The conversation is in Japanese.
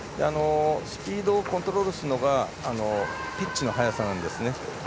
スピードをコントロールするのがピッチの速さなんですね。